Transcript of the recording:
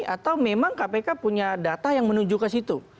atau memang kpk punya data yang menuju ke situ